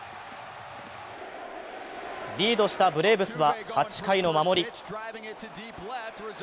リードしたブレーブスは８回の守り。